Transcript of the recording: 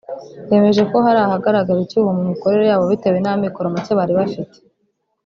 bemeje ko hari ahagaraga icyuho mu mikorere yabo bitewe n’amikoro make bari bafite